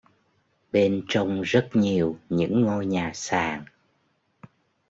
Bên trong rất nhiều những ngôi nhà sàn